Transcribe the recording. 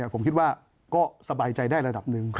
ผมคิดว่าก็สบายใจได้ระดับหนึ่ง